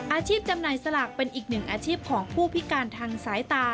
จำหน่ายสลากเป็นอีกหนึ่งอาชีพของผู้พิการทางสายตา